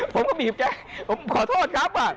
ผมก็บีบแกผมขอโทษครับ